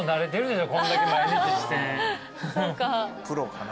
プロかな。